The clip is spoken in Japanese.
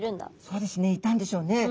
そうですねいたんでしょうね。